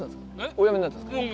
お辞めになったんですか？